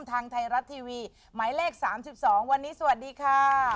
ทางไทยรัฐทีวีหมายเลข๓๒วันนี้สวัสดีค่ะ